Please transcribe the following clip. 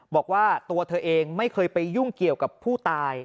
บอกว่าตัวเธอเองไม่เคยไปยุ่งเกี่ยวกับผู้ตาย